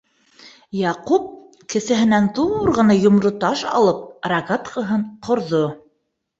Яҡуп, кеҫәһенән ҙур ғына йомро таш алып, рогаткаһын ҡорҙо.